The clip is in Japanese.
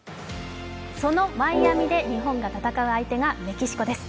そのマイアミで日本が戦う相手がメキシコです。